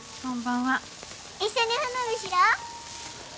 一緒に花火しよう！